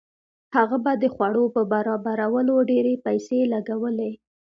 هغه به د خوړو په برابرولو ډېرې پیسې لګولې.